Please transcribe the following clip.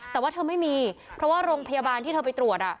แต่ว่าเธอไม่มีเพราะว่าโรงพยาบาลที่เธอไปตรวจ